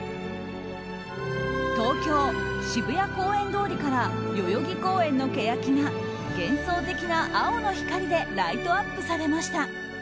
東京・渋谷公園通りから代々木公園のケヤキが幻想的な青の光でライトアップされました。